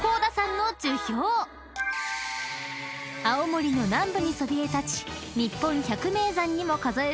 ［青森の南部にそびえ立ち］